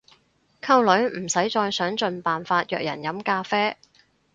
溝女唔使再想盡辦法約人飲咖啡